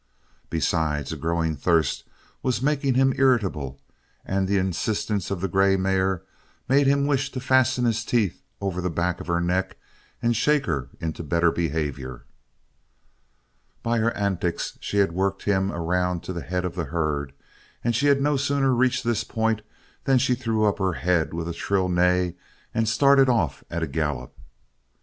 Besides, a growing thirst was making him irritable and the insistence of the grey mare made him wish to fasten his teeth over the back of her neck and shake her into better behavior. By her antics she had worked him around to the head of the herd and she had no sooner reached this point than she threw up her head with a shrill neigh and started off at a gallop.